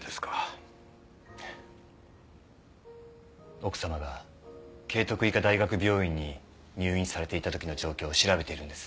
奥さまが啓徳医科大学病院に入院されていたときの状況を調べているんです。